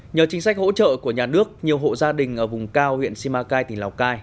nhờ chính sách hỗ trợ của nhà nước nhiều hộ gia đình ở vùng cao huyện simacai tỉnh lào cai